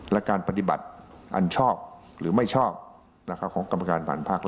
และการปฏิบัติอันชอบหรือไม่ชอบของกรรมการผ่านภาค